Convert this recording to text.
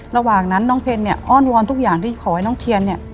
ระหว่างนั้นน้องเพลย์อ้อนวอนทุกอย่างที่ขอให้น้องเทียน